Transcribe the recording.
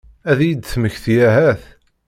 Ad iyi-d-temmekti ahat?